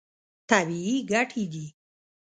طبیعي ګټې دي.